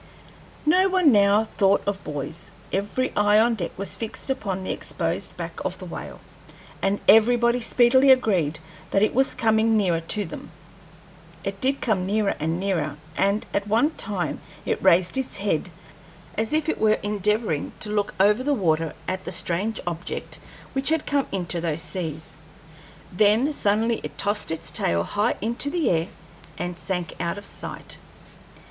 No one now thought of buoys. Every eye on deck was fixed upon the exposed back of the whale, and everybody speedily agreed that it was coming nearer to them. It did come nearer and nearer, and at one time it raised its head as if it were endeavoring to look over the water at the strange object which had come into those seas. Then suddenly it tossed its tail high into the air and sank out of sight.